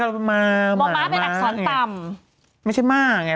เขาพูดมั้ยแล้ว